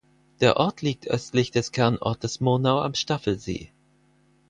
Der Ort liegt östlich des Kernortes Murnau am Staffelsee.